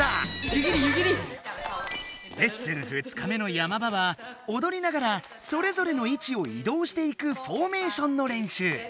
レッスン２日目の山場はおどりながらそれぞれの位置をいどうしていくフォーメーションの練習。